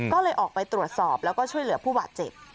ก็เลยออกไปตรวจสอบแล้วก็ช่วยเหลือผู้บาดเจ็บ